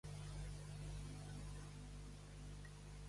Pateixes glucèmia, obesitat, hipertensió arterial, restrenyiment?